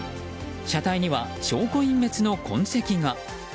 車体には証拠隠滅の痕跡が。